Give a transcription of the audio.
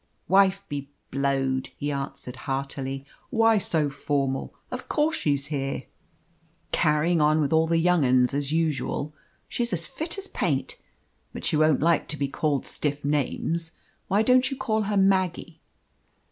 "Wife be blowed!" he answered heartily. "Why so formal? Of course she's here, carrying on with all the young 'uns as usual. She's as fit as paint. But she won't like to be called stiff names. Why don't you call her Maggie?"